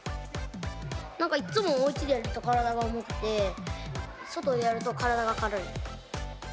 なんか、いっつもおうちでやると体が重くて、外でやると体が軽い。